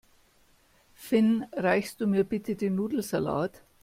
Finn, reichst du mir bitte den Nudelsalat?